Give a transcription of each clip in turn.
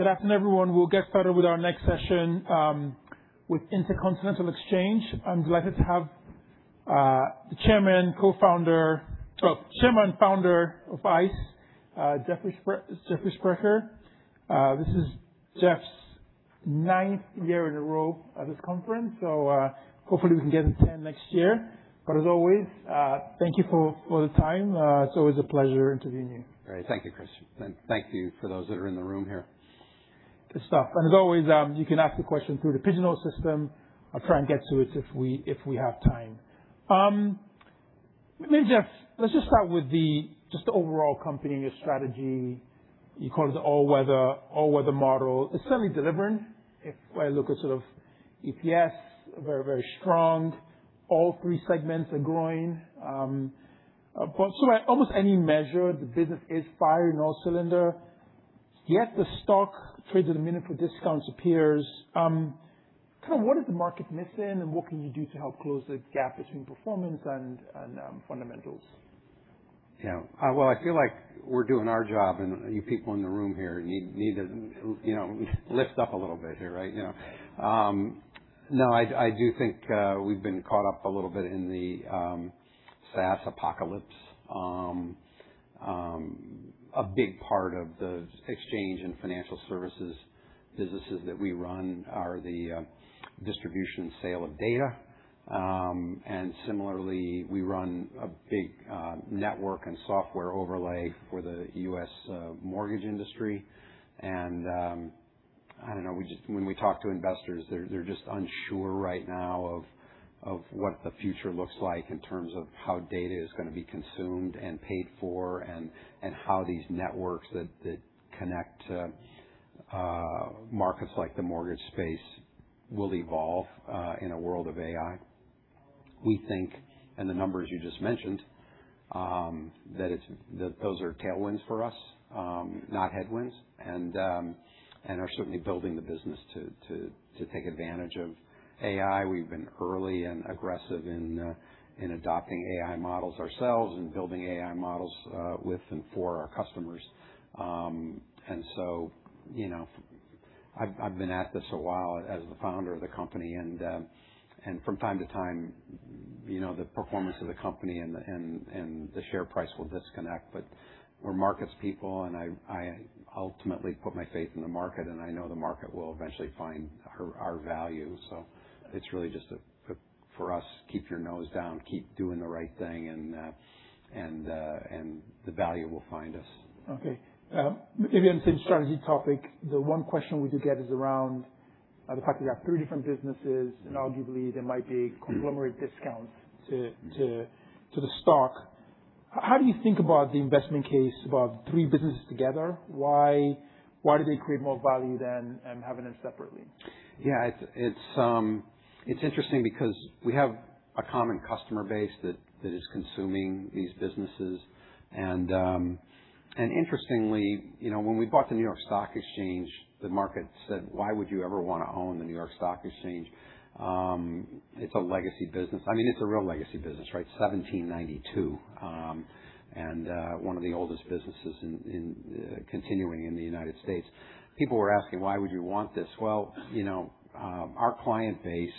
Good afternoon, everyone. We'll get started with our next session, with Intercontinental Exchange. I'm delighted to have the chairman, founder of ICE, Jeffrey Sprecher. This is Jeff's ninth year in a row at this conference, hopefully we can get to 10 next year. As always, thank you for the time. It's always a pleasure interviewing you. Great. Thank you, Christian, and thank you for those that are in the room here. Good stuff. As always, you can ask a question through the Pigeonhole system. I'll try and get to it if we have time. Maybe, Jeff, let's just start with just the overall company and your strategy. You call it the all-weather model. It's certainly delivering. If I look at EPS, very strong. All three segments are growing. By almost any measure, the business is firing on all cylinders. The stock trades at a meaningful discount appears. What is the market missing, and what can you do to help close the gap between performance and fundamentals? Yeah. Well, I feel like we're doing our job, and you people in the room here need to lift up a little bit here right now. No, I do think we've been caught up a little bit in the SaaS apocalypse. A big part of the exchange and financial services businesses that we run are the distribution sale of data. Similarly, we run a big network and software overlay for the U.S. mortgage industry. I don't know, when we talk to investors, they're just unsure right now of what the future looks like in terms of how data is going to be consumed and paid for, and how these networks that connect to markets like the mortgage space will evolve in a world of AI. We think, and the numbers you just mentioned, that those are tailwinds for us, not headwinds, and are certainly building the business to take advantage of AI. We've been early and aggressive in adopting AI models ourselves and building AI models with and for our customers. I've been at this a while as the founder of the company, and from time to time, the performance of the company and the share price will disconnect, but we're markets people and I ultimately put my faith in the market, and I know the market will eventually find our value. It's really just for us, keep your nose down, keep doing the right thing, and the value will find us. Okay. Maybe on the same strategy topic, the one question we do get is around the fact that you have three different businesses, and arguably there might be a conglomerate discount to the stock. How do you think about the investment case about three businesses together? Why do they create more value than having them separately? Yeah. It's interesting because we have a common customer base that is consuming these businesses. Interestingly, when we bought the New York Stock Exchange, the market said, "Why would you ever want to own the New York Stock Exchange?" It's a legacy business. I mean, it's a real legacy business, right? 1792. One of the oldest businesses continuing in the United States. People were asking, "Why would you want this?" Well, our client base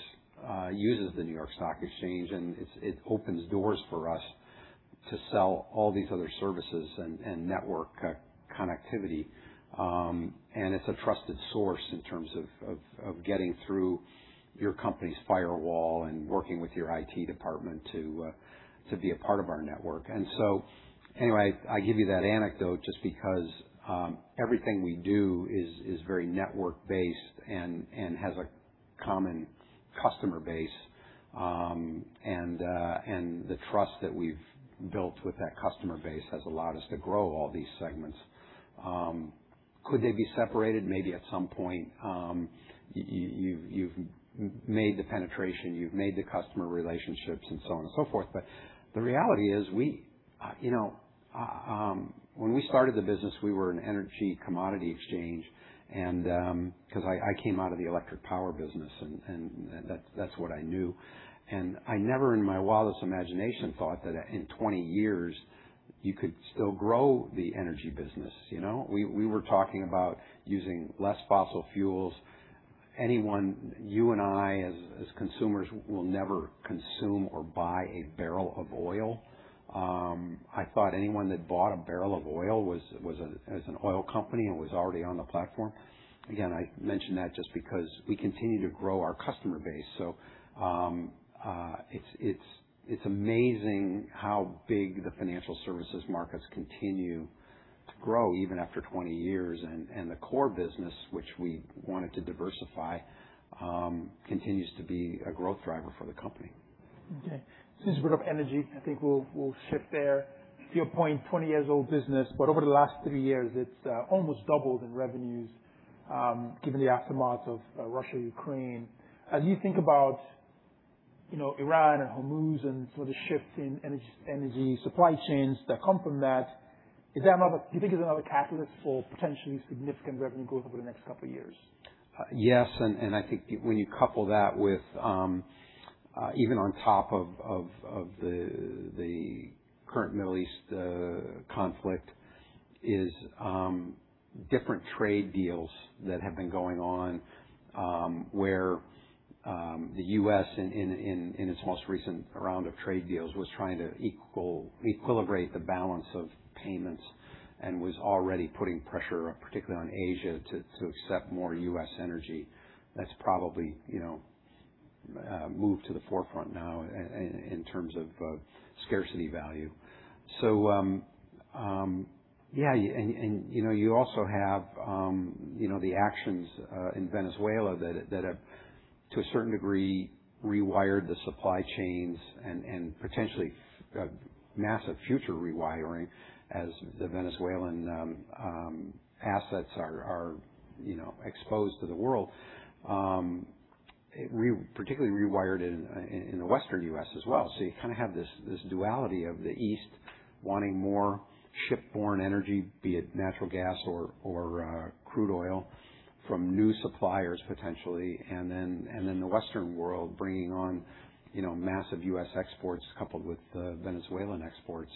uses the New York Stock Exchange, and it opens doors for us to sell all these other services and network connectivity. It's a trusted source in terms of getting through your company's firewall and working with your IT department to be a part of our network. Anyway, I give you that anecdote just because everything we do is very network based and has a common customer base. The trust that we've built with that customer base has allowed us to grow all these segments. Could they be separated? Maybe at some point. You've made the penetration, you've made the customer relationships and so on and so forth. The reality is, when we started the business, we were an energy commodity exchange, because I came out of the electric power business, and that's what I knew. I never in my wildest imagination thought that in 20 years you could still grow the energy business. We were talking about using less fossil fuels. Anyone, you and I as consumers, will never consume or buy a barrel of oil. I thought anyone that bought a barrel of oil was an oil company and was already on the platform. Again, I mention that just because we continue to grow our customer base. It's amazing how big the financial services markets continue to grow even after 20 years. The core business which we wanted to diversify, continues to be a growth driver for the company. Okay. Since we're on energy, I think we'll shift there. To your point, 20 years old business, but over the last three years, it's almost doubled in revenues, given the aftermath of Russia and Ukraine. As you think about Iran and Hormuz and the shift in energy supply chains that come from that, do you think it's another catalyst for potentially significant revenue growth over the next couple of years? Yes. I think when you couple that with even on top of the current Middle East conflict is different trade deals that have been going on, where the U.S., in its most recent round of trade deals, was trying to equilibrate the balance of payments and was already putting pressure, particularly on Asia, to accept more U.S. energy. That's probably moved to the forefront now in terms of scarcity value. Yeah. You also have the actions in Venezuela that have, to a certain degree, rewired the supply chains and potentially massive future rewiring as the Venezuelan assets are exposed to the world. Particularly rewired in the Western U.S. as well. You kind of have this duality of the East wanting more ship-borne energy, be it natural gas or crude oil from new suppliers, potentially, and then the Western world bringing on massive U.S. exports coupled with Venezuelan exports.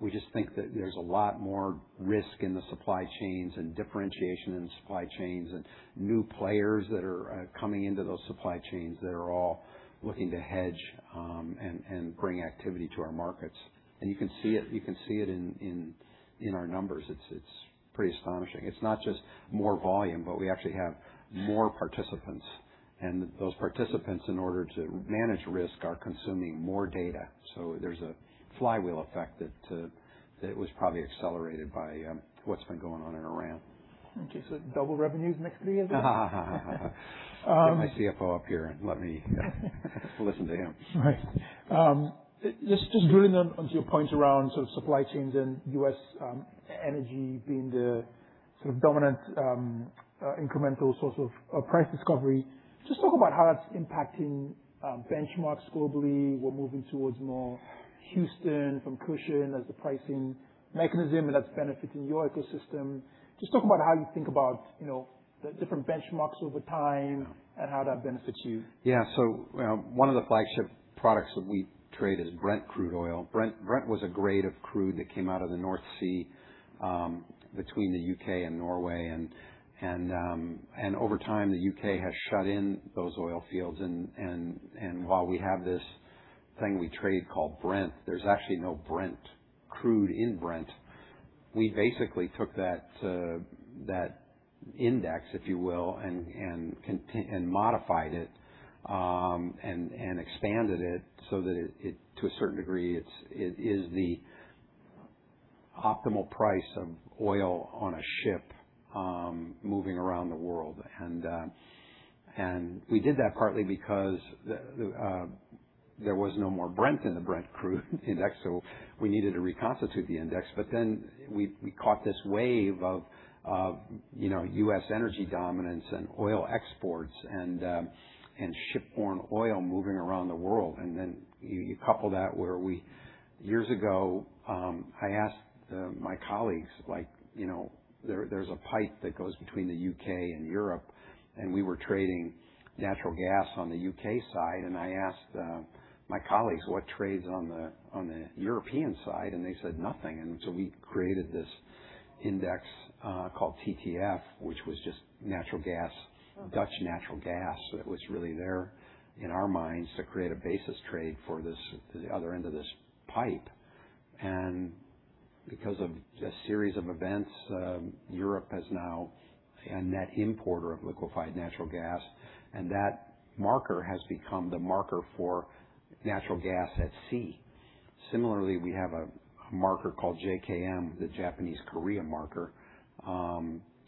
We just think that there's a lot more risk in the supply chains and differentiation in supply chains and new players that are coming into those supply chains that are all looking to hedge and bring activity to our markets. You can see it in our numbers. It's pretty astonishing. It's not just more volume, but we actually have more participants. Those participants, in order to manage risk, are consuming more data. There's a flywheel effect that was probably accelerated by what's been going on in Iran. Okay. double revenues next three years? Get my CFO up here and let me listen to him. Right. Just drilling on to your point around supply chains and U.S. energy being the sort of dominant incremental source of price discovery. Just talk about how that's impacting benchmarks globally. We're moving towards more Houston from Cushing as the pricing mechanism, and that's benefiting your ecosystem. Just talk about how you think about the different benchmarks over time and how that benefits you. One of the flagship products that we trade is Brent crude oil. Brent was a grade of crude that came out of the North Sea between the U.K. and Norway, over time, the U.K. has shut in those oil fields. While we have this thing we trade called Brent, there's actually no Brent crude in Brent. We basically took that index, if you will, modified it, expanded it, to a certain degree, it is the optimal price of oil on a ship moving around the world. We did that partly because there was no more Brent in the Brent crude index, we needed to reconstitute the index. We caught this wave of U.S. energy dominance and oil exports and ship-borne oil moving around the world. Then you couple that where years ago, I asked my colleagues, there's a pipe that goes between the U.K. and Europe, and we were trading natural gas on the U.K. side, and I asked my colleagues what trades on the European side, and they said nothing. So we created this index called TTF, which was just natural gas. Okay Dutch natural gas. It was really there in our minds to create a basis trade for the other end of this pipe. Because of a series of events, Europe is now a net importer of liquefied natural gas, and that marker has become the marker for natural gas at sea. Similarly, we have a marker called JKM, the Japan Korea Marker.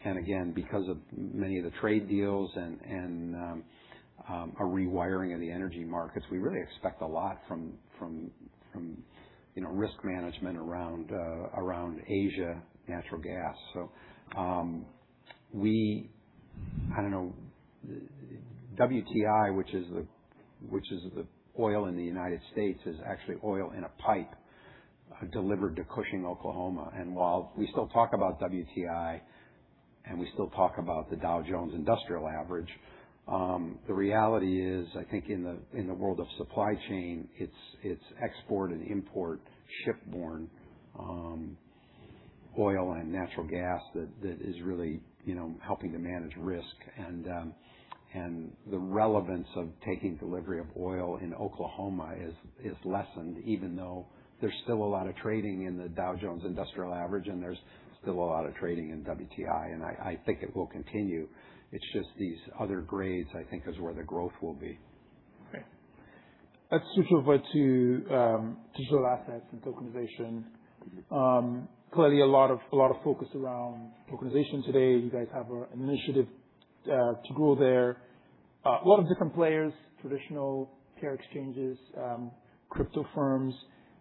Again, because of many of the trade deals and a rewiring of the energy markets, we really expect a lot from risk management around Asia natural gas. We, I don't know, WTI, which is the oil in the U.S., is actually oil in a pipe delivered to Cushing, Oklahoma. While we still talk about WTI, and we still talk about the Dow Jones Industrial Average, the reality is, I think in the world of supply chain, it's export and import ship-borne oil and natural gas that is really helping to manage risk. The relevance of taking delivery of oil in Oklahoma is lessened, even though there's still a lot of trading in the Dow Jones Industrial Average, and there's still a lot of trading in WTI, and I think it will continue. It's just these other grades, I think, is where the growth will be. Great. Let's switch over to digital assets and tokenization. Clearly a lot of focus around tokenization today. You guys have an initiative to grow there. A lot of different players, traditional exchanges, crypto firms.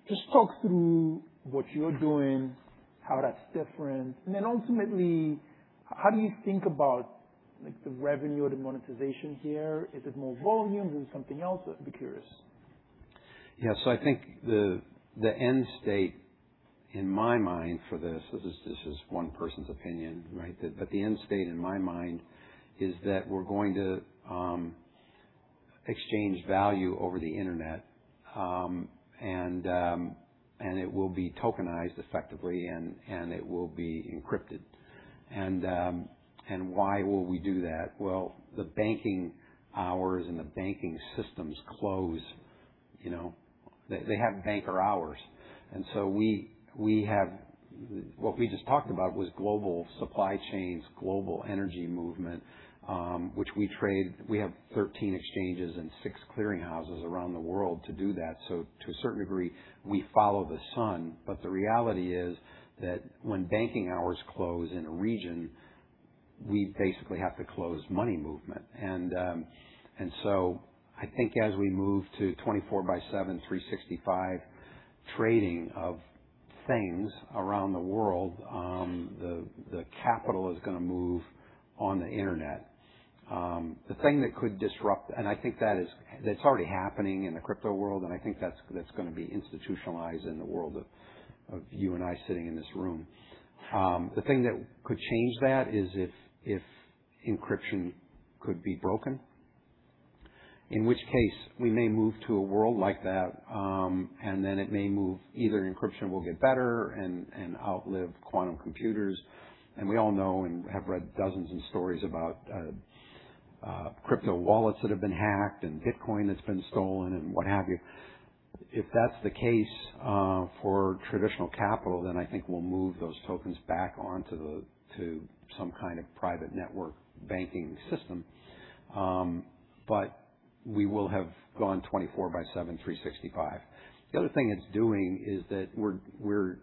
Just talk through what you're doing, how that's different, and then ultimately, how do you think about the revenue or the monetization here? Is it more volume? Is it something else? I'd be curious. I think the end state in my mind for this is one person's opinion, right? The end state in my mind is that we're going to exchange value over the internet, and it will be tokenized effectively and it will be encrypted. Why will we do that? The banking hours and the banking systems close. They have banker hours. What we just talked about was global supply chains, global energy movement, which we trade. We have 13 exchanges and six clearing houses around the world to do that. To a certain degree, we follow the sun, but the reality is that when banking hours close in a region, we basically have to close money movement. I think as we move to 24 by seven, 365 trading of things around the world, the capital is going to move on the internet. The thing that could disrupt, I think that's already happening in the crypto world, I think that's going to be institutionalized in the world of you and I sitting in this room. The thing that could change that is if encryption could be broken, in which case we may move to a world like that, and then it may move. Either encryption will get better and outlive quantum computers, we all know and have read dozens of stories about crypto wallets that have been hacked and Bitcoin that's been stolen and what have you. If that's the case for traditional capital, then I think we'll move those tokens back on to some kind of private network banking system. We will have gone 24 by seven, 365. The other thing it's doing is that we're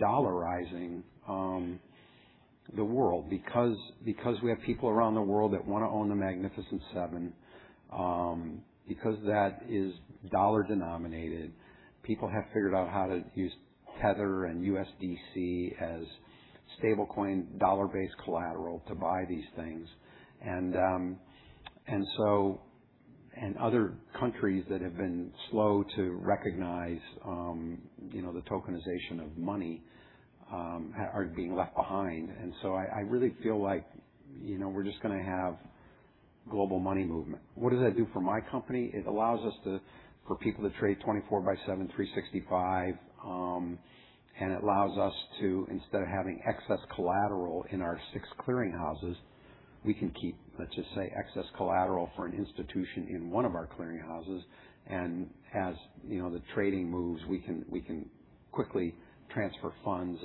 dollarizing the world because we have people around the world that want to own the Magnificent Seven. That is dollar-denominated, people have figured out how to use Tether and USDC as stablecoin dollar-based collateral to buy these things. Other countries that have been slow to recognize the tokenization of money are being left behind. I really feel like we're just going to have global money movement. What does that do for my company? It allows for people to trade 24 by seven, 365. It allows us to, instead of having excess collateral in our six clearing houses, we can keep, let's just say, excess collateral for an institution in one of our clearing houses. As the trading moves, we can quickly transfer funds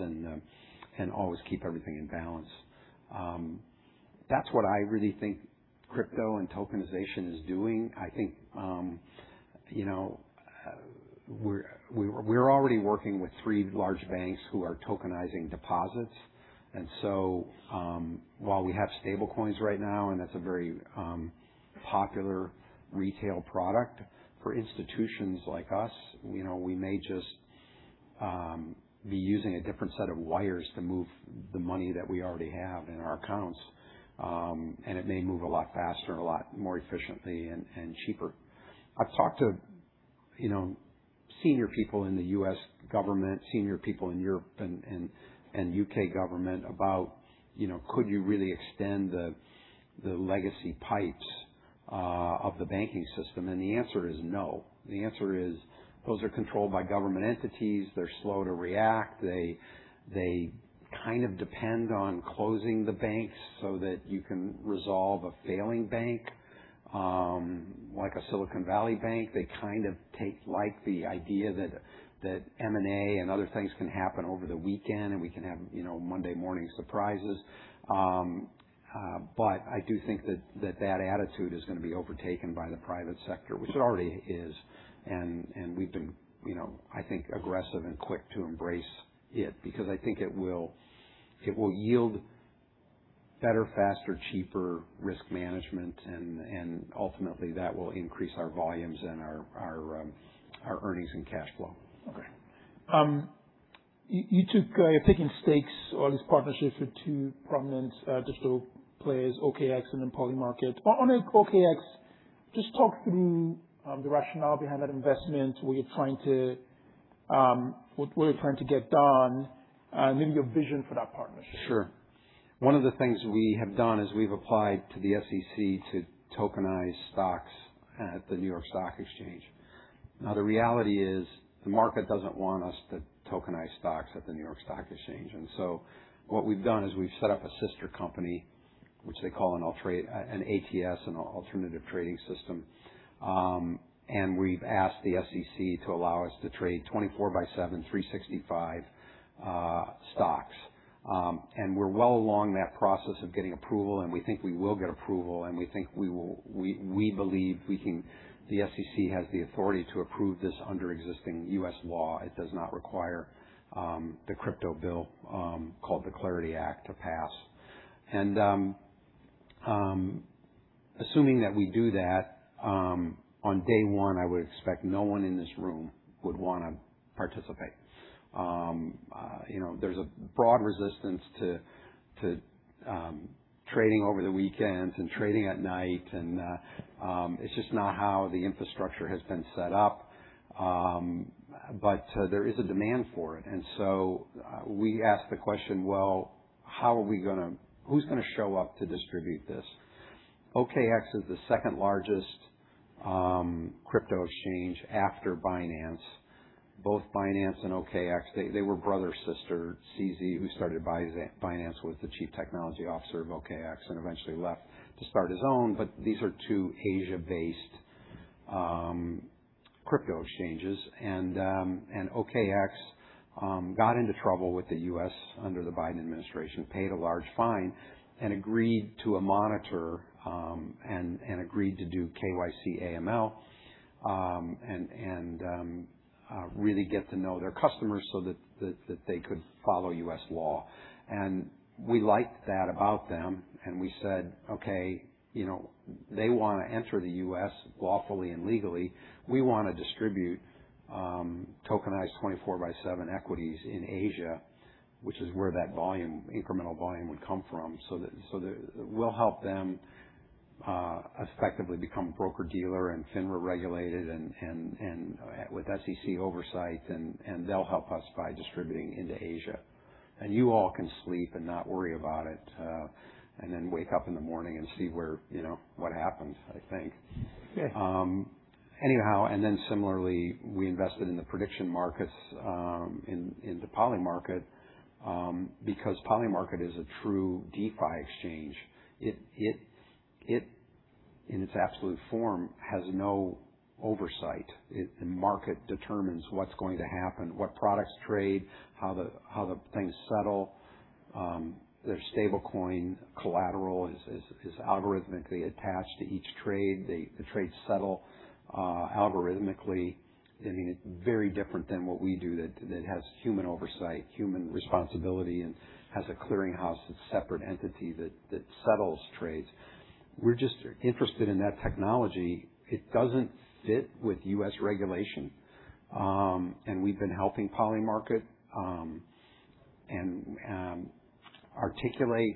and always keep everything in balance. That's what I really think crypto and tokenization is doing. I think we're already working with three large banks who are tokenizing deposits. While we have stable coins right now, and that's a very popular retail product for institutions like us, we may just be using a different set of wires to move the money that we already have in our accounts. It may move a lot faster, a lot more efficiently, and cheaper. I've talked to senior people in the U.S. government, senior people in Europe and U.K. government about could you really extend the legacy pipes of the banking system? The answer is no. The answer is those are controlled by government entities. They're slow to react. They kind of depend on closing the banks so that you can resolve a failing bank, like a Silicon Valley Bank. They kind of take the idea that M&A and other things can happen over the weekend, and we can have Monday morning surprises. I do think that that attitude is going to be overtaken by the private sector, which it already is. We've been, I think, aggressive and quick to embrace it because I think it will yield better, faster, cheaper risk management, and ultimately that will increase our volumes and our earnings and cash flow. Okay. You're taking stakes or at least partnerships with two prominent digital players, OKX and then Polymarket. On OKX, just talk through the rationale behind that investment, what you're trying to get done, and maybe your vision for that partnership. Sure. One of the things we have done is we've applied to the SEC to tokenize stocks at the New York Stock Exchange. The reality is the market doesn't want us to tokenize stocks at the New York Stock Exchange. What we've done is we've set up a sister company, which they call an ATS, an alternative trading system. We've asked the SEC to allow us to trade 24 by 7, 365 stocks. We're well along that process of getting approval, and we think we will get approval, and we believe the SEC has the authority to approve this under existing U.S. law. It does not require the crypto bill, called the Clarity Act, to pass. Assuming that we do that, on day one, I would expect no one in this room would want to participate. There's a broad resistance to trading over the weekends and trading at night, and it's just not how the infrastructure has been set up. There is a demand for it. We ask the question, "Well, who's going to show up to distribute this?" OKX is the second largest crypto exchange after Binance. Both Binance and OKX, they were brother, sister. CZ, who started Binance, was the chief technology officer of OKX, and eventually left to start his own. These are two Asia-based crypto exchanges. OKX got into trouble with the U.S. under the Biden administration, paid a large fine, and agreed to a monitor, and agreed to do KYC, AML, and really get to know their customers so that they could follow U.S. law. We liked that about them. We said, "Okay. They want to enter the U.S. lawfully and legally. We want to distribute tokenized 24/7 equities in Asia, which is where that incremental volume would come from. We'll help them effectively become broker-dealer and FINRA-regulated and with SEC oversight, and they'll help us by distributing into Asia. You all can sleep and not worry about it, and then wake up in the morning and see what happens, I think. Yeah. Anyhow, similarly, we invested in the prediction markets, in the Polymarket, because Polymarket is a true DeFi exchange. It, in its absolute form, has no oversight. The market determines what's going to happen, what products trade, how the things settle. Their stablecoin collateral is algorithmically attached to each trade. The trades settle algorithmically. I mean, it's very different than what we do that has human oversight, human responsibility, and has a clearinghouse, a separate entity that settles trades. We're just interested in that technology. It doesn't fit with U.S. regulation. We've been helping Polymarket articulate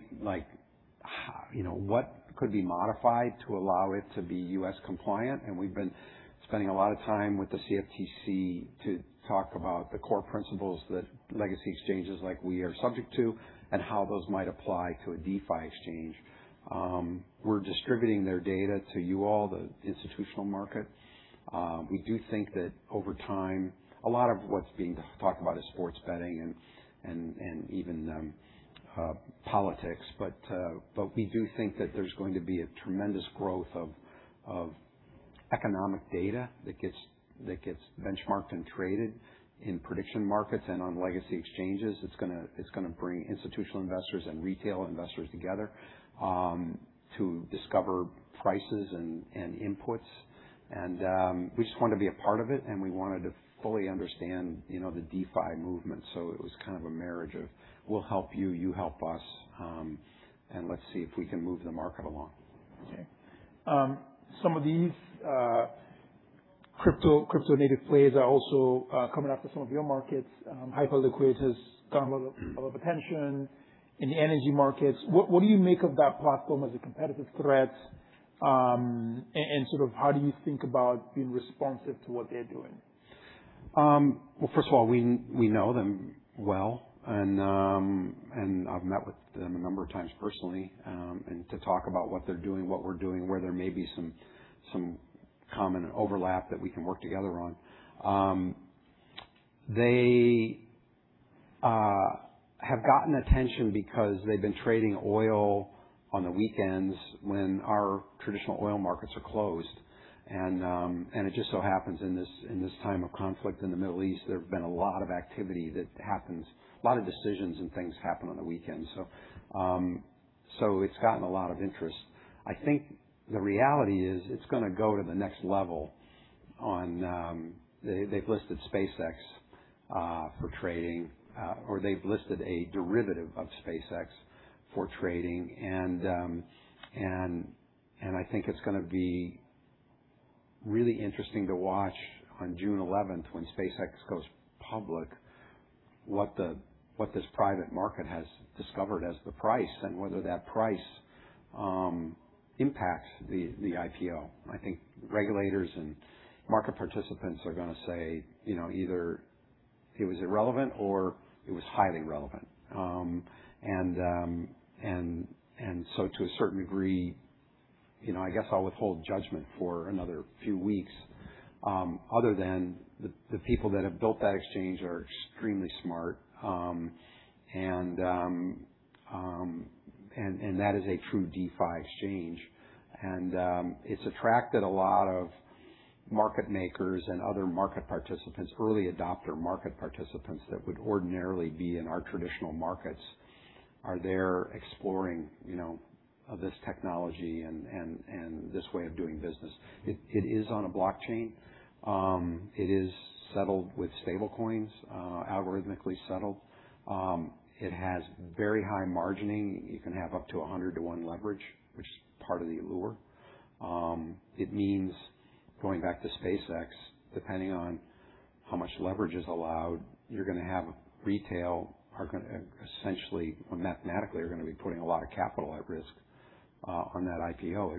what could be modified to allow it to be U.S. compliant. We've been spending a lot of time with the CFTC to talk about the core principles that legacy exchanges like we are subject to, and how those might apply to a DeFi exchange. We're distributing their data to you all, the institutional market. We do think that over time, a lot of what's being talked about is sports betting and even politics. We do think that there's going to be a tremendous growth of economic data that gets benchmarked and traded in prediction markets and on legacy exchanges. It's going to bring institutional investors and retail investors together to discover prices and inputs. We just wanted to be a part of it, and we wanted to fully understand the DeFi movement. It was kind of a marriage of, we'll help you help us, and let's see if we can move the market along. Okay. Some of these crypto-native plays are also coming after some of your markets. Hyperliquid has gotten a lot of attention in the energy markets. What do you make of that platform as a competitive threat? How do you think about being responsive to what they're doing? Well, first of all, we know them well. I've met with them a number of times personally, and to talk about what they're doing, what we're doing, where there may be some common overlap that we can work together on. They have gotten attention because they've been trading oil on the weekends when our traditional oil markets are closed. It just so happens in this time of conflict in the Middle East, there have been a lot of activity that happens, a lot of decisions and things happen on the weekends. It's gotten a lot of interest. I think the reality is, it's going to go to the next level. They've listed SpaceX for trading, or they've listed a derivative of SpaceX for trading. I think it's going to be really interesting to watch on June 11th when SpaceX goes public, what this private market has discovered as the price and whether that price impacts the IPO. I think regulators and market participants are going to say either it was irrelevant or it was highly relevant. To a certain degree, I guess I'll withhold judgment for another few weeks. Other than the people that have built that exchange are extremely smart. That is a true DeFi exchange. It's attracted a lot of market makers and other market participants, early adopter market participants that would ordinarily be in our traditional markets are there exploring this technology and this way of doing business. It is on a blockchain. It is settled with stable coins, algorithmically settled. It has very high margining. You can have up to 100 to 1 leverage, which is part of the allure. It means going back to SpaceX, depending on how much leverage is allowed, you're going to have retail are essentially, mathematically, are going to be putting a lot of capital at risk on that IPO.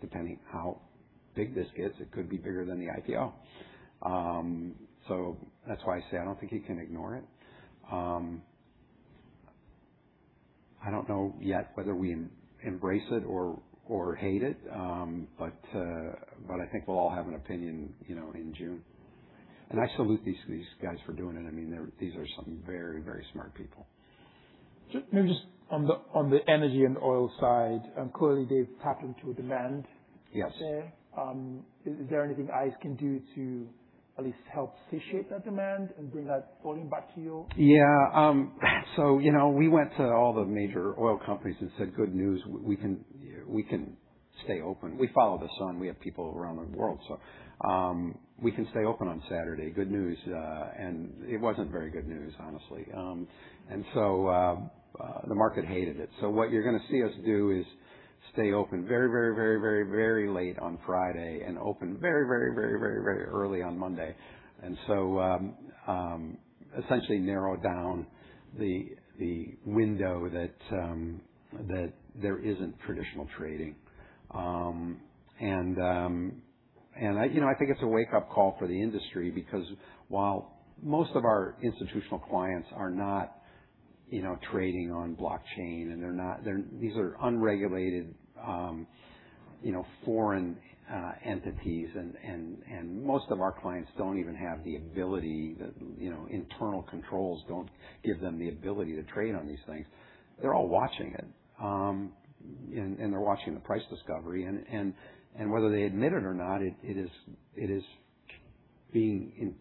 Depending how big this is, it could be bigger than the IPO. That's why I say I don't think you can ignore it. I don't know yet whether we embrace it or hate it. I think we'll all have an opinion in June. I salute these guys for doing it. These are some very, very smart people. Just on the energy and oil side, clearly they've tapped into a demand- Yes there. Is there anything ICE can do to at least help satiate that demand and bring that volume back to you? Yeah. We went to all the major oil companies and said, "Good news, we can stay open. We follow the sun. We have people around the world, so we can stay open on Saturday. Good news." It wasn't very good news, honestly. The market hated it. What you're going to see us do is stay open very late on Friday and open very early on Monday, and so essentially narrow down the window that there isn't traditional trading. I think it's a wake-up call for the industry because while most of our institutional clients are not trading on blockchain, and these are unregulated foreign entities, and most of our clients don't even have the ability, the internal controls don't give them the ability to trade on these things. They're all watching it. They're watching the price discovery, and whether they admit it or not, it is being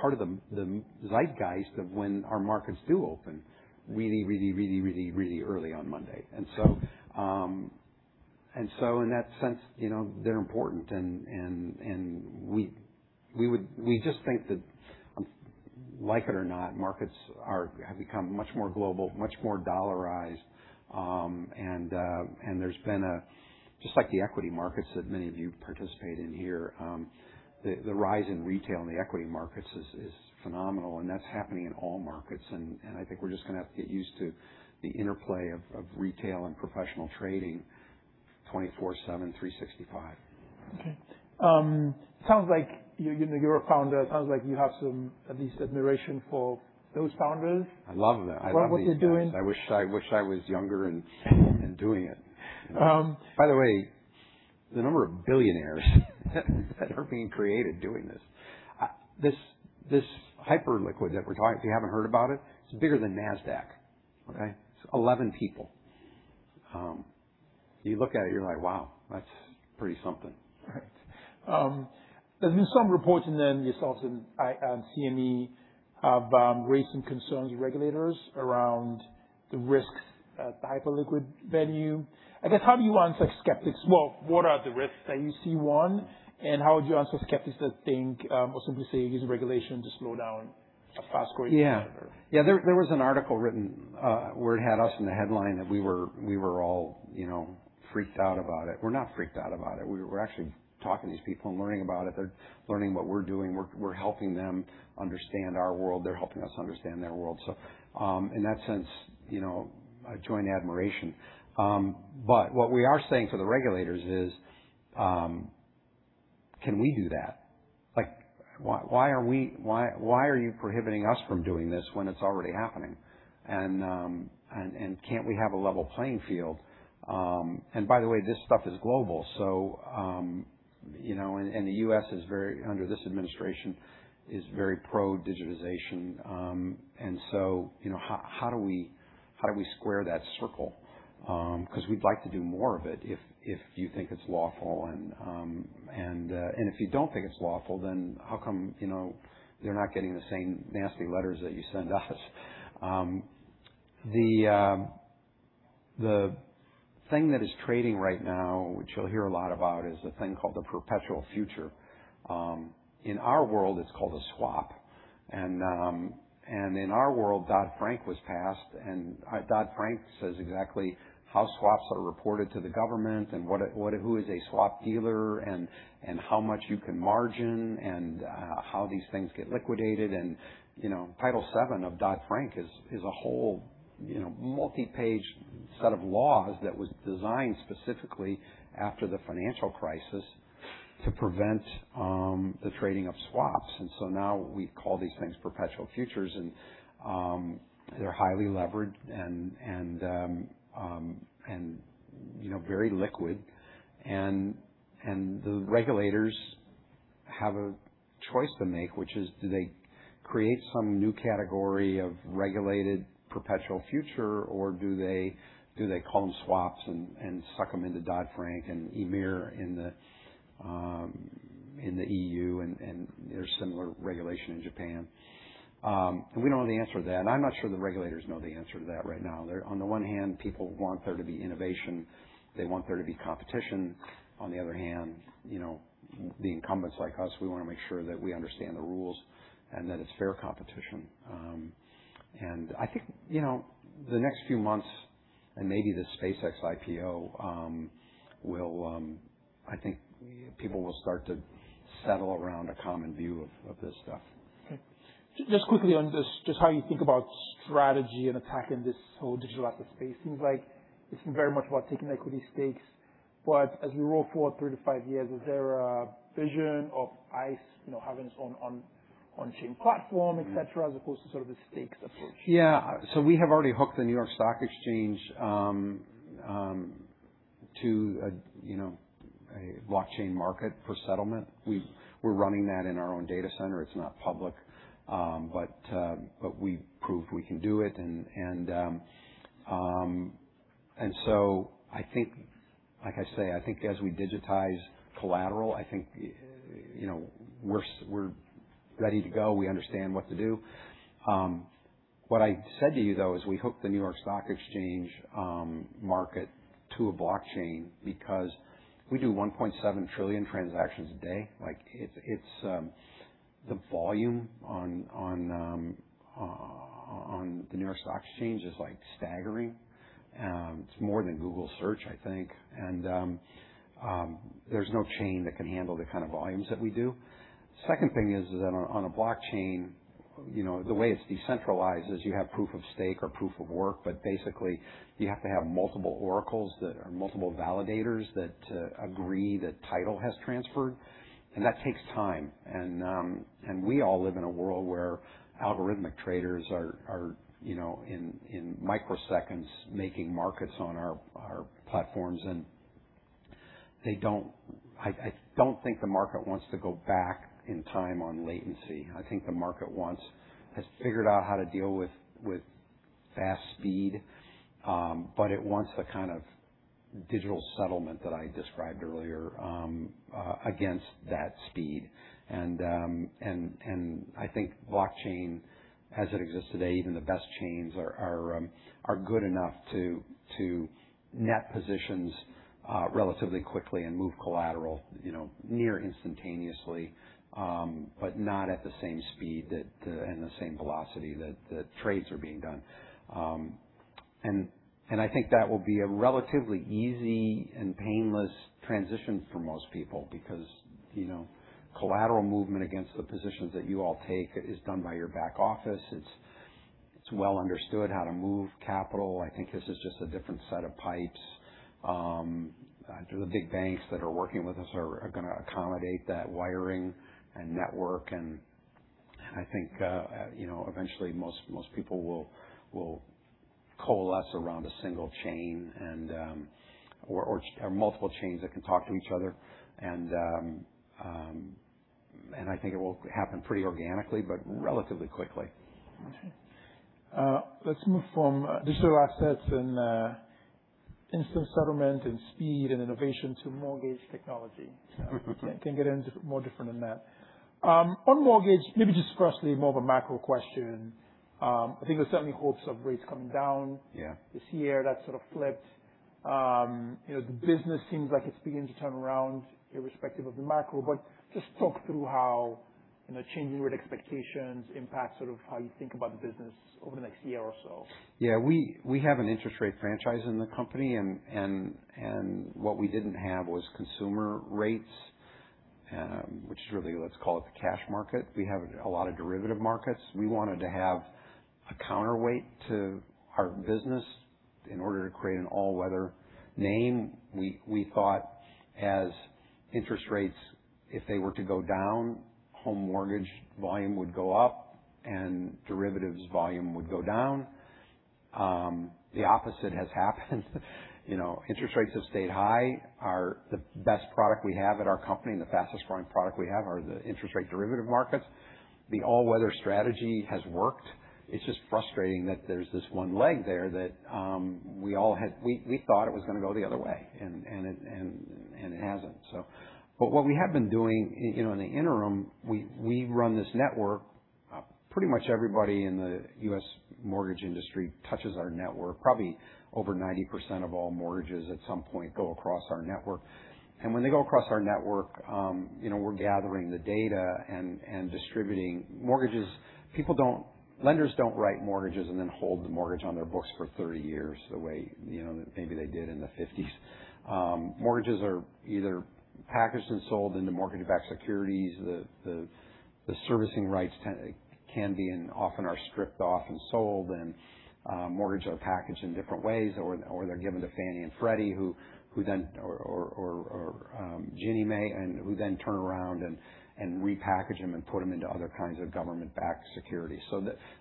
part of the zeitgeist of when our markets do open really early on Monday. So in that sense, they're important, and we just think that like it or not, markets have become much more global, much more dollarized. Just like the equity markets that many of you participate in here, the rise in retail in the equity markets is phenomenal, and that's happening in all markets. I think we're just going to have to get used to the interplay of retail and professional trading 24/7/365. Okay. Sounds like you're a founder. Sounds like you have some at least admiration for those founders. I love them. I love what they did. Love what they're doing. I wish I was younger and doing it. By the way, the number of billionaires that are being created doing this. This Hyperliquid that we're talking, if you haven't heard about it's bigger than Nasdaq. Okay? It's 11 people. You look at it, you're like, "Wow, that's pretty something. Right. There's been some reports and then yourselves and CME have raised some concerns with regulators around the risks of the Hyperliquid venue. I guess how do you answer skeptics? Well, what are the risks that you see, one, and how would you answer skeptics that think, or simply say, use regulation to slow down a fast-growing sector? Yeah. There was an article written where it had us in the headline that we were all freaked out about it. We're not freaked out about it. We're actually talking to these people and learning about it. They're learning what we're doing. We're helping them understand our world. They're helping us understand their world. In that sense, a joint admiration. What we are saying to the regulators is, can we do that? Why are you prohibiting us from doing this when it's already happening? Can't we have a level playing field? By the way, this stuff is global. The U.S., under this Administration, is very pro-digitization. How do we square that circle? Because we'd like to do more of it if you think it's lawful. If you don't think it's lawful, then how come they're not getting the same nasty letters that you send us? The thing that is trading right now, which you'll hear a lot about, is the thing called the perpetual future. In our world, it's called a swap. In our world, Dodd-Frank was passed, and Dodd-Frank says exactly how swaps are reported to the government, and who is a swap dealer, and how much you can margin, and how these things get liquidated. Title VII of Dodd-Frank is a whole multi-page set of laws that was designed specifically after the financial crisis to prevent the trading of swaps. Now we call these things perpetual futures, and they're highly levered and very liquid. The regulators have a choice to make, which is, do they create some new category of regulated perpetual future, or do they call them swaps and suck them into Dodd-Frank and EMIR in the EU, and there's similar regulation in Japan? We don't know the answer to that, and I'm not sure the regulators know the answer to that right now. On the one hand, people want there to be innovation. They want there to be competition. On the other hand, the incumbents like us, we want to make sure that we understand the rules and that it's fair competition. I think people will start to settle around a common view of this stuff. Okay. Just quickly on how you think about strategy and attacking this whole digital asset space. Seems like it's been very much about taking equity stakes, as we roll forward three to five years, is there a vision of ICE having its own on-chain platform, et cetera, as opposed to sort of the stakes approach? Yeah. We have already hooked the New York Stock Exchange, to a blockchain market for settlement. We're running that in our own data center. It's not public. We proved we can do it. I think, like I say, I think as we digitize collateral, I think we're ready to go. We understand what to do. What I said to you, though, is we hooked the New York Stock Exchange market to a blockchain because we do 1.7 trillion transactions a day. The volume on the New York Stock Exchange is staggering. It's more than Google Search, I think. There's no chain that can handle the kind of volumes that we do. Second thing is on a blockchain, the way it's decentralized is you have proof of stake or proof of work, but basically you have to have multiple oracles that are multiple validators that agree that title has transferred, and that takes time. We all live in a world where algorithmic traders are in microseconds making markets on our platforms. I don't think the market wants to go back in time on latency. I think the market has figured out how to deal with fast speed. It wants the kind of digital settlement that I described earlier against that speed. I think blockchain as it exists today, even the best chains are good enough to net positions relatively quickly and move collateral near instantaneously but not at the same speed and the same velocity that the trades are being done. I think that will be a relatively easy and painless transition for most people because collateral movement against the positions that you all take is done by your back office. It's well understood how to move capital. I think this is just a different set of pipes. The big banks that are working with us are going to accommodate that wiring and network, I think eventually most people will coalesce around a single chain or multiple chains that can talk to each other. I think it will happen pretty organically, but relatively quickly. Okay. Let's move from digital assets and instant settlement and speed and innovation to mortgage technology. Can't get any more different than that. On mortgage, maybe just firstly, more of a macro question. I think there's certainly hopes of rates coming down. Yeah. This year, that sort of flipped. The business seems like it's beginning to turn around irrespective of the macro, but just talk through how changing rate expectations impact how you think about the business over the next year or so. Yeah. What we didn't have was consumer rates, which is really, let's call it the cash market. We have a lot of derivative markets. We wanted to have a counterweight to our business in order to create an all-weather name. We thought as interest rates, if they were to go down, home mortgage volume would go up and derivatives volume would go down. The opposite has happened. Interest rates have stayed high. The best product we have at our company and the fastest-growing product we have are the interest rate derivative markets. The all-weather strategy has worked. It's just frustrating that there's this one leg there that we thought it was going to go the other way. It hasn't. What we have been doing in the interim, we run this network. Pretty much everybody in the U.S. mortgage industry touches our network. Probably over 90% of all mortgages at some point go across our network. When they go across our network, we're gathering the data and distributing mortgages. Lenders don't write mortgages and then hold the mortgage on their books for 30 years the way maybe they did in the '50s. Mortgages are either packaged and sold into mortgage-backed securities. The servicing rights can be, and often are, stripped off and sold, and mortgage are packaged in different ways, or they're given to Fannie and Freddie or Ginnie Mae, who then turn around and repackage them and put them into other kinds of government-backed securities.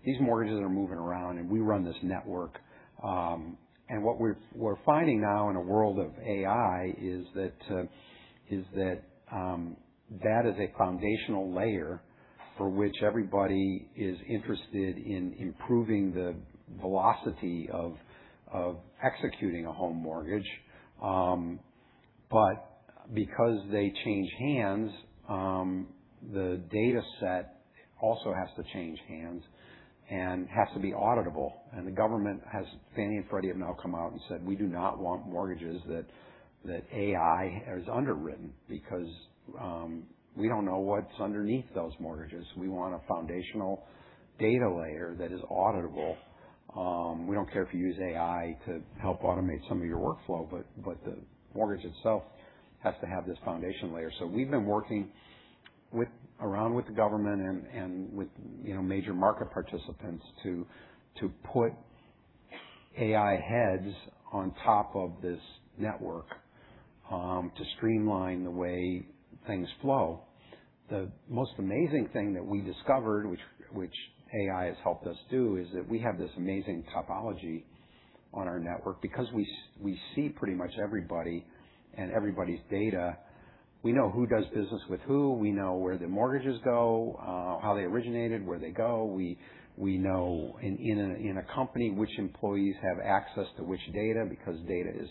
These mortgages are moving around, and we run this network. What we're finding now in a world of AI is that that is a foundational layer for which everybody is interested in improving the velocity of executing a home mortgage. Because they change hands, the data set also has to change hands and has to be auditable. The government has, Fannie and Freddie have now come out and said, "We do not want mortgages that AI has underwritten because we don't know what's underneath those mortgages. We want a foundational data layer that is auditable. We don't care if you use AI to help automate some of your workflow, but the mortgage itself has to have this foundation layer." We've been working around with the government and with major market participants to put AI heads on top of this network to streamline the way things flow. The most amazing thing that we discovered, which AI has helped us do, is that we have this amazing topology on our network, because we see pretty much everybody and everybody's data. We know who does business with who, we know where the mortgages go, how they originated, where they go. We know in a company which employees have access to which data, because data is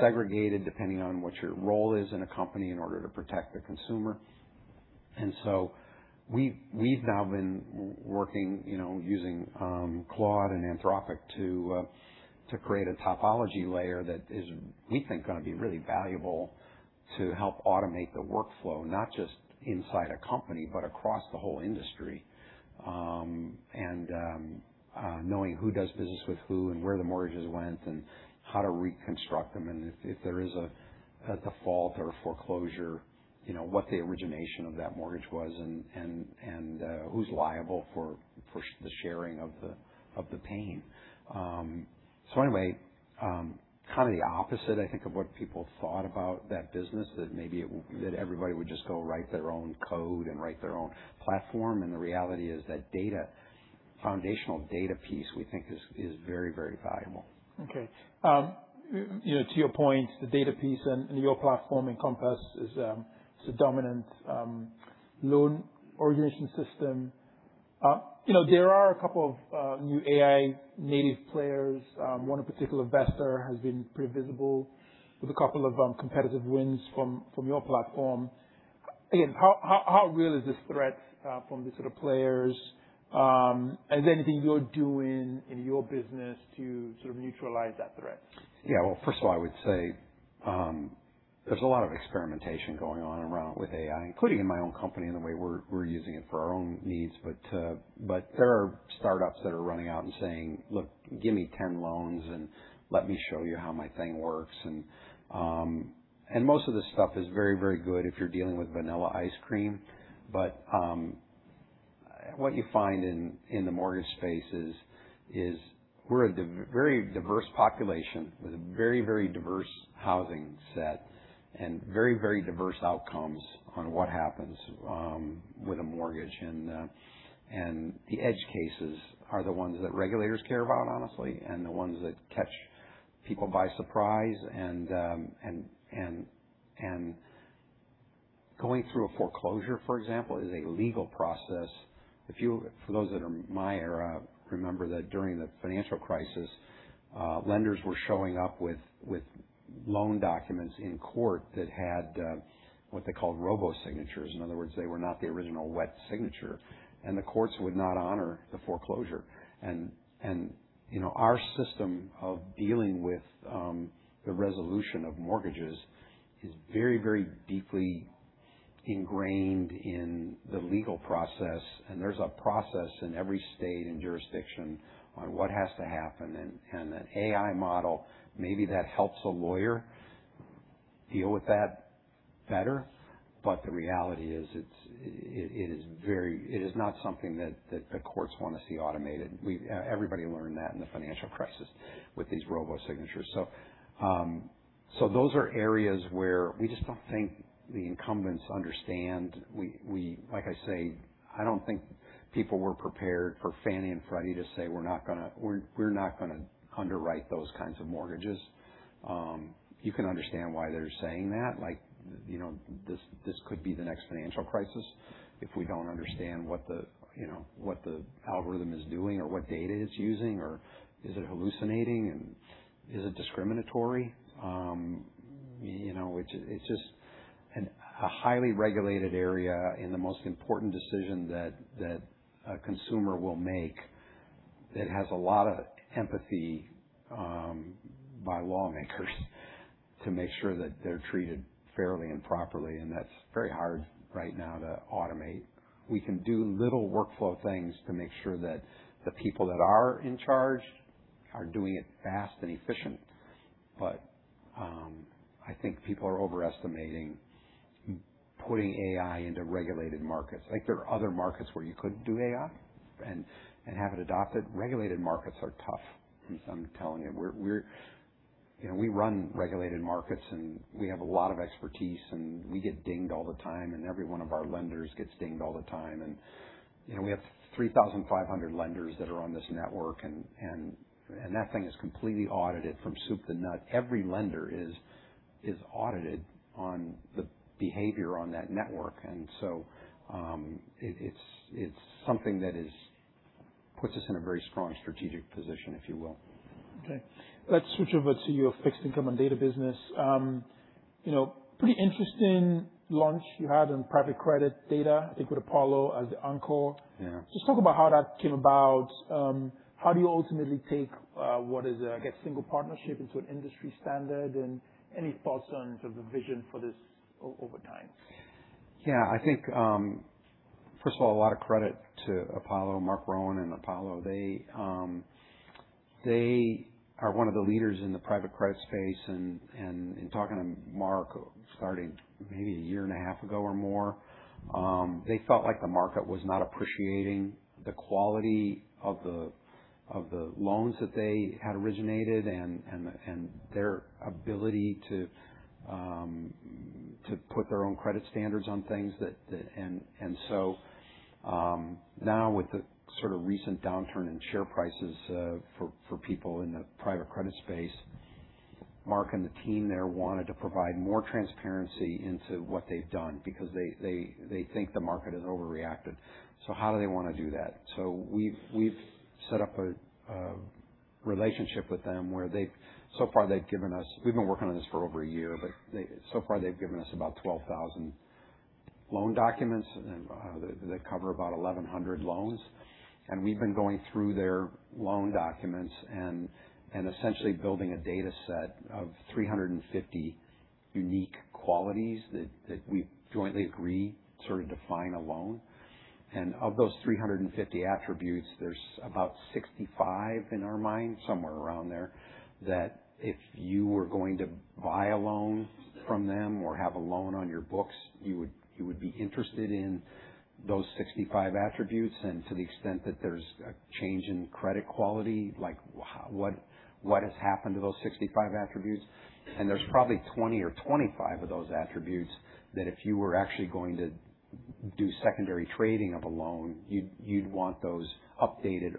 segregated depending on what your role is in a company in order to protect the consumer. We've now been working using Claude and Anthropic to create a topology layer that is, we think, going to be really valuable to help automate the workflow, not just inside a company, but across the whole industry. Knowing who does business with who and where the mortgages went and how to reconstruct them, and if there is a default or foreclosure, what the origination of that mortgage was and who's liable for the sharing of the pain. Anyway, kind of the opposite, I think, of what people thought about that business, that everybody would just go write their own code and write their own platform. The reality is that data, foundational data piece, we think is very, very valuable. Okay. To your point, the data piece and your platform, Encompass, is the dominant loan origination system. There are a couple of new AI native players. One in particular, Vesta, has been pretty visible with a couple of competitive wins from your platform. Ian, how real is this threat from these sort of players? Is there anything you're doing in your business to sort of neutralize that threat? Yeah. Well, first of all, I would say there's a lot of experimentation going on around with AI, including in my own company in the way we're using it for our own needs. There are startups that are running out and saying, "Look, give me 10 loans and let me show you how my thing works." Most of this stuff is very, very good if you're dealing with vanilla ice cream. What you find in the mortgage space is we're a very diverse population with a very, very diverse housing set and very, very diverse outcomes on what happens with a mortgage. The edge cases are the ones that regulators care about, honestly, and the ones that catch people by surprise. Going through a foreclosure, for example, is a legal process. If you, for those that are my era, remember that during the financial crisis, lenders were showing up with loan documents in court that had what they called robo-signatures. In other words, they were not the original wet signature, and the courts would not honor the foreclosure. Our system of dealing with the resolution of mortgages is very, very deeply ingrained in the legal process, and there's a process in every state and jurisdiction on what has to happen. An AI model, maybe that helps a lawyer deal with that better. The reality is it is not something that the courts want to see automated. Everybody learned that in the financial crisis with these robo-signatures. Those are areas where we just don't think the incumbents understand. Like I say, I don't think people were prepared for Fannie and Freddie to say, "We're not gonna underwrite those kinds of mortgages." You can understand why they're saying that. This could be the next financial crisis if we don't understand what the algorithm is doing or what data it's using, or is it hallucinating and is it discriminatory? It's just a highly regulated area in the most important decision that a consumer will make that has a lot of empathy by lawmakers to make sure that they're treated fairly and properly, and that's very hard right now to automate. We can do little workflow things to make sure that the people that are in charge are doing it fast and efficient. I think people are overestimating putting AI into regulated markets. There are other markets where you could do AI and have it adopted. Regulated markets are tough, I'm telling you. We run regulated markets, and we have a lot of expertise, and we get dinged all the time, and every one of our lenders gets dinged all the time. We have 3,500 lenders that are on this network, and that thing is completely audited from soup to nut. Every lender is audited on the behavior on that network. It's something that puts us in a very strong strategic position, if you will. Okay. Let's switch over to your fixed income and data business. Pretty interesting launch you had on private credit data with Apollo as the anchor. Yeah. Just talk about how that came about. How do you ultimately take what is, I guess, a single partnership into an industry standard? Any thoughts on the vision for this over time? Yeah. I think, first of all, a lot of credit to Apollo, Marc Rowan, and Apollo. They are one of the leaders in the private credit space. In talking to Marc, starting maybe a year and a half ago or more, they felt like the market was not appreciating the quality of the loans that they had originated and their ability to put their own credit standards on things. Now with the recent downturn in share prices for people in the private credit space, Marc and the team there wanted to provide more transparency into what they've done because they think the market has overreacted. How do they want to do that? We've set up a relationship with them where, so far, they've given us We've been working on this for over a year. So far, they've given us about 12,000 loan documents that cover about 1,100 loans. We've been going through their loan documents and essentially building a data set of 350 unique qualities that we jointly agree sort of define a loan. Of those 350 attributes, there's about 65, in our mind, somewhere around there, that if you were going to buy a loan from them or have a loan on your books, you would be interested in those 65 attributes. To the extent that there's a change in credit quality, like what has happened to those 65 attributes. There's probably 20 or 25 of those attributes that if you were actually going to do secondary trading of a loan, you'd want those updated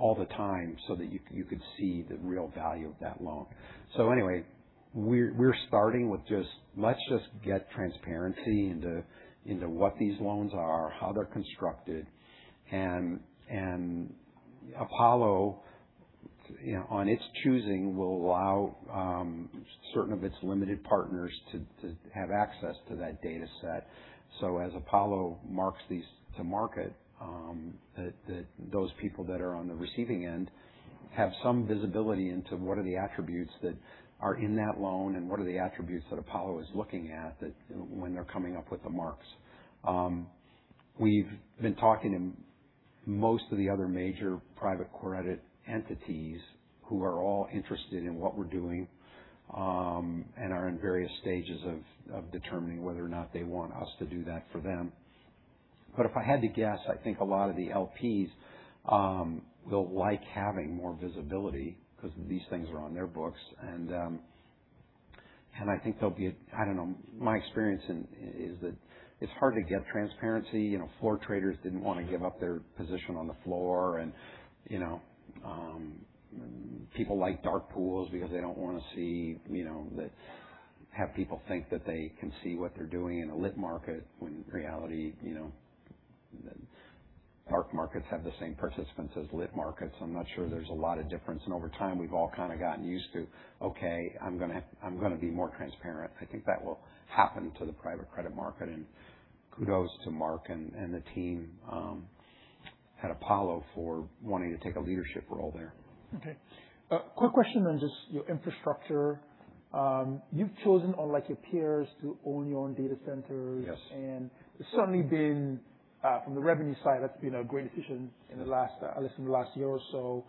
all the time so that you could see the real value of that loan. Anyway, we're starting with just let's just get transparency into what these loans are, how they're constructed. Apollo, on its choosing, will allow certain of its limited partners to have access to that data set. As Apollo marks these to market, those people that are on the receiving end have some visibility into what are the attributes that are in that loan and what are the attributes that Apollo is looking at when they're coming up with the marks. We've been talking to most of the other major private credit entities who are all interested in what we're doing and are in various stages of determining whether or not they want us to do that for them. If I had to guess, I think a lot of the LPs, they'll like having more visibility because these things are on their books. I think there'll be I don't know. My experience is that it's hard to get transparency. Floor traders didn't want to give up their position on the floor, and people like dark pools because they don't want to have people think that they can see what they're doing in a lit market when in reality, dark markets have the same participants as lit markets. I'm not sure there's a lot of difference. Over time, we've all kind of gotten used to, okay, I'm going to be more transparent. I think that will happen to the private credit market. Kudos to Marc and the team at Apollo for wanting to take a leadership role there. Okay. A quick question on just your infrastructure. You've chosen, unlike your peers, to own your own data centers. Yes. It's certainly been, from the revenue side, that's been a great efficient at least in the last year or so.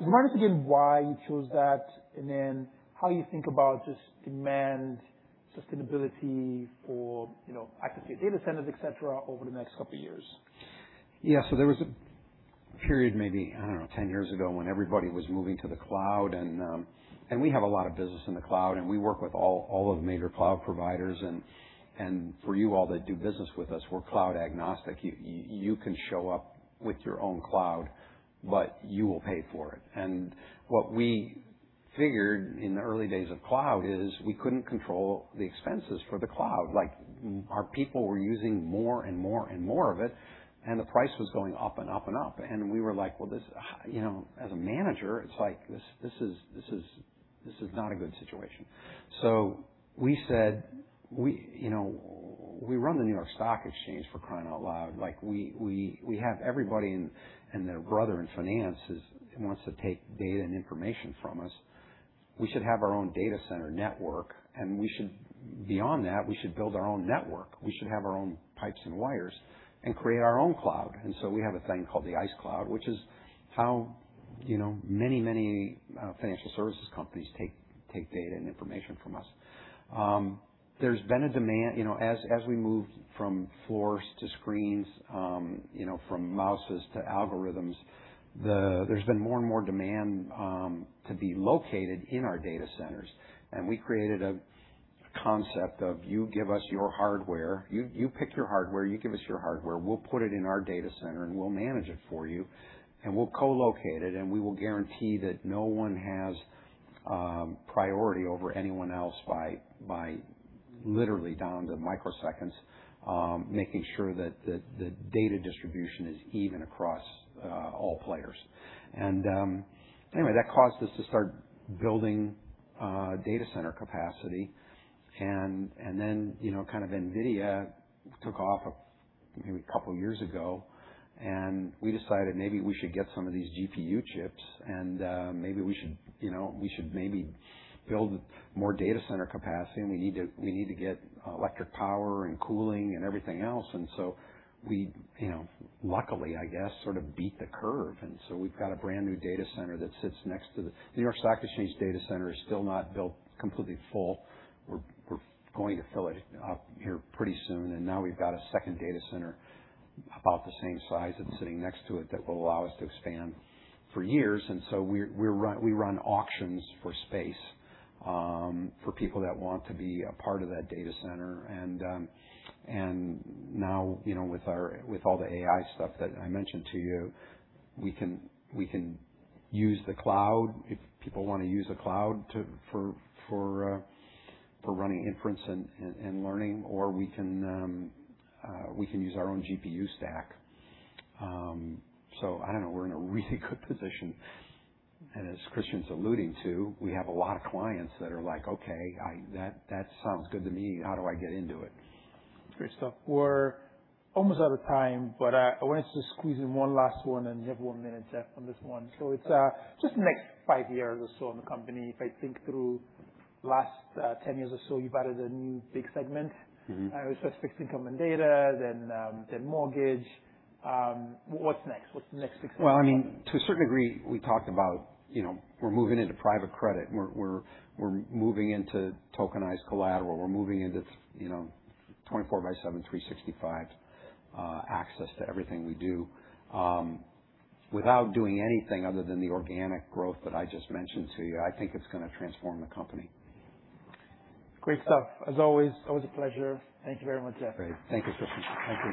Remind us again why you chose that, and then how you think about just demand sustainability for occupancy data centers, et cetera, over the next couple of years. Yeah. There was a period maybe, I don't know, 10 years ago when everybody was moving to the cloud. We have a lot of business in the cloud, and we work with all of the major cloud providers. For you all that do business with us, we're cloud agnostic. You can show up with your own cloud, but you will pay for it. What we figured in the early days of cloud is we couldn't control the expenses for the cloud. Our people were using more and more and more of it, and the price was going up and up and up. We were like, as a manager, it's like, this is not a good situation. We said, we run the New York Stock Exchange, for crying out loud. We have everybody and their brother in finance wants to take data and information from us. We should have our own data center network. Beyond that, we should build our own network. We should have our own pipes and wires and create our own cloud. So we have a thing called the ICE Cloud, which is how many financial services companies take data and information from us. There's been a demand as we moved from floors to screens, from mouses to algorithms, there's been more and more demand to be located in our data centers. We created a concept of you give us your hardware. You pick your hardware, you give us your hardware. We'll put it in our data center, and we'll manage it for you, and we'll co-locate it, and we will guarantee that no one has priority over anyone else by literally down to microseconds, making sure that the data distribution is even across all players. That caused us to start building data center capacity and then NVIDIA took off maybe a couple of years ago, and we decided maybe we should get some of these GPU chips and maybe we should build more data center capacity and we need to get electric power and cooling and everything else. We luckily, I guess, sort of beat the curve. We've got a brand-new data center that sits next to the New York Stock Exchange data center is still not built completely full. We're going to fill it up here pretty soon. Now we've got a second data center about the same size that's sitting next to it that will allow us to expand for years. So we run auctions for space for people that want to be a part of that data center. Now, with all the AI stuff that I mentioned to you, we can use the cloud if people want to use the cloud for running inference and learning, or we can use our own GPU stack. I don't know. We're in a really good position. As Christian's alluding to, we have a lot of clients that are like, "Okay, that sounds good to me. How do I get into it? Great stuff. We're almost out of time, but I wanted to squeeze in one last one, and we have one minute left on this one. It's just the next five years or so in the company. If I think through last 10 years or so, you've added a new big segment. It was first fixed income and data, then mortgage. What's next? What's the next big segment? Well, to a certain degree, we talked about we're moving into private credit. We're moving into tokenized collateral. We're moving into 24 by seven, 365 access to everything we do. Without doing anything other than the organic growth that I just mentioned to you, I think it's going to transform the company. Great stuff. As always a pleasure. Thank you very much, Jeff. Great. Thank you, Christian. Thank you.